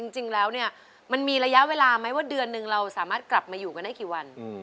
จริงแล้วเนี่ยมันมีระยะเวลาไหมว่าเดือนหนึ่งเราสามารถกลับมาอยู่กันได้กี่วัน